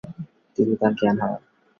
তিনি তার জ্ঞান হারান।